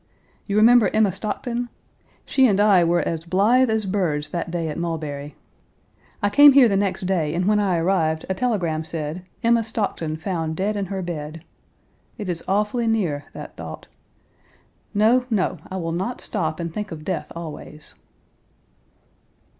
You remember Emma Stockton? She and I were as blithe as birds that day at Page 272 Mulberry. I came here the next day, and when I arrived a telegram said: 'Emma Stockton found dead in her bed.' It is awfully near, that thought. No, no. I will not stop and think of death always."